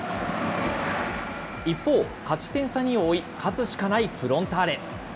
一方、勝ち点差２を追い、勝つしかないフロンターレ。